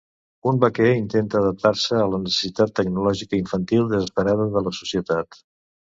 Un vaquer intenta adaptar-se a la necessitat tecnològica infantil desesperada de la societat.